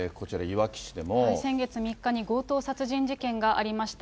先月３日に強盗殺人事件がありました。